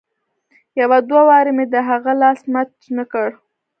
يو دوه وارې مې د هغه لاس مچ نه کړ.